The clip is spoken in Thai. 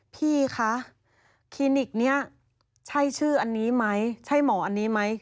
พี่คะคลินิกนี้ใช่ชื่ออันนี้ไหมใช่หมออันนี้ไหม